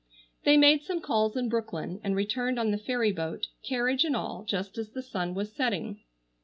They made some calls in Brooklyn, and returned on the ferry boat, carriage and all, just as the sun was setting.